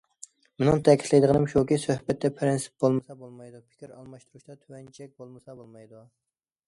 مېنىڭ تەكىتلەيدىغىنىم شۇكى، سۆھبەتتە پىرىنسىپ بولمىسا بولمايدۇ، پىكىر ئالماشتۇرۇشتا تۆۋەن چەك بولمىسا بولمايدۇ.